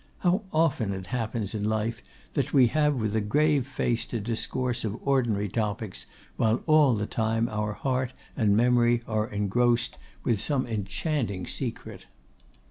How often it happens in life that we have with a grave face to discourse of ordinary topics, while all the time our heart and memory are engrossed with some enchanting secret!